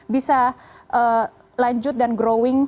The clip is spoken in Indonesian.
bisa lanjut dan growing